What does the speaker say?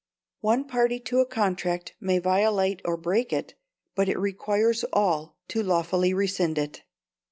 One party to a contract may violate or break it, but it requires all to lawfully rescind it.